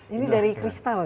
ini dari kristal ya